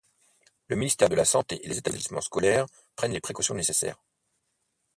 Le ministère de la Santé et les établissements scolaires prennent les précautions nécessaires.